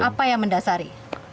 apa yang mendasari